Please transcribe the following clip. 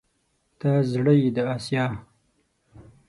ته زړه يې د اسيا